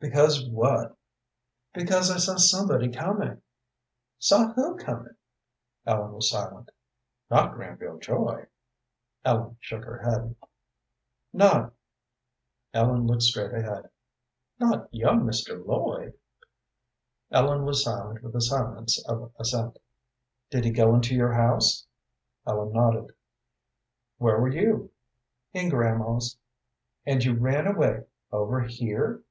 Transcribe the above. "Because what?" "Because I saw somebody coming." "Saw who coming?" Ellen was silent. "Not Granville Joy?" Ellen shook her head. "Not ?" Ellen looked straight ahead. "Not young Mr. Lloyd?" Ellen was silent with the silence of assent. "Did he go into your house?" Ellen nodded. "Where were you?" "In grandma's." "And you ran away, over here?"